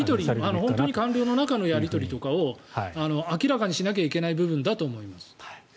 本当に官僚の中のやり取りとかを明らかにしなければいけない部分だと思います。